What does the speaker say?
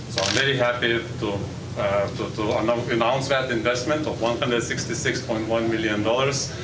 pemerintah terus mengejar target investasi satu ratus enam puluh enam satu miliar dolar